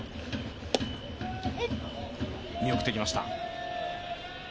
見送ってきました。